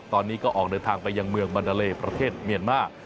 ตอนนี้ก็ออกเดินทางไปยังเมืองมันดาเลประเทศเมียนมาร์